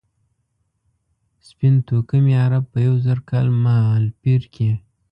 سپین توکمي عرب په یو زر کال مهالپېر کې.